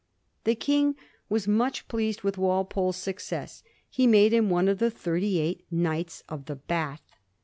The King was much pleased with Walpole's success. He made him one of the thirty eight Knights of the Bath.